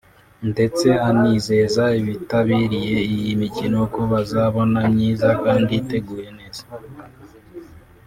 ndetse anizeza abitabiriye iyi mikino ko bazabona myiza kandi iteguye neza